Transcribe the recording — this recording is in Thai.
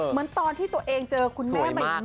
เหมือนตอนที่ตัวเองเจอคุณแม่ใหม่